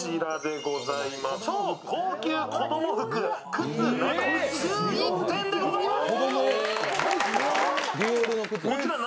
超高級子供服、靴など１１点でございます。